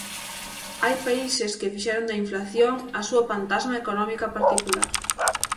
Hai países que fixeron da inflación a súa pantasma económica particular.